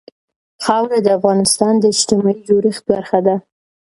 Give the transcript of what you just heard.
خاوره د افغانستان د اجتماعي جوړښت برخه ده.